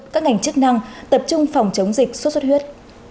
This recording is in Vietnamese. các ngành chức năng tập trung phòng chống dịch suốt suốt huyết